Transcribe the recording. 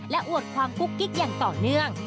และอวดความกุ๊กกิ๊กอย่างต่อเนื่อง